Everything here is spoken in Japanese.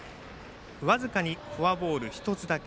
僅かにフォアボール１つだけ。